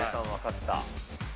分かった。